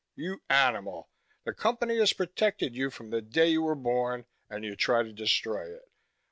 You animal, the Company has protected you from the day you were born, and you try to destroy it.